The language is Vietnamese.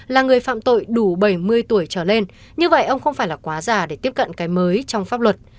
là người phạm tội đủ bảy mươi tuổi trở lên như vậy ông không phải là quá già để tiếp cận cái mới trong pháp luật